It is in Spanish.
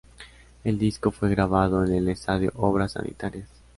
El disco fue grabado en el estadio Obras Sanitarias.